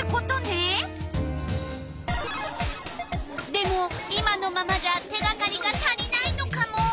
でも今のままじゃ手がかりが足りないのカモ。